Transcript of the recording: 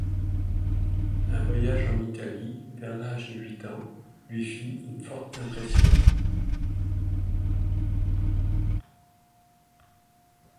Un voyage en Italie, vers l'âge de huit ans, lui fit une forte impression.